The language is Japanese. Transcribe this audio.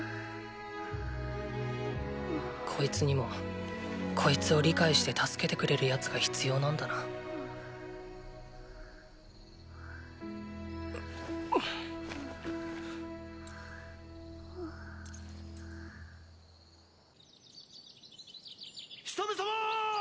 こいつにもこいつを理解して助けてくれる奴が必要なんだなヒサメ様ーー！！